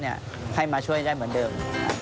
ให้มาช่วยได้เหมือนเดิม